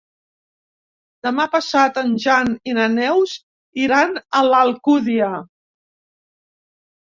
Demà passat en Jan i na Neus iran a l'Alcúdia.